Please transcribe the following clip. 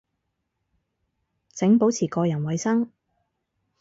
請保持個人衛生